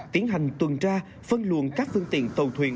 tiến hành tuần tra phân luận các phương tiện tàu thuyền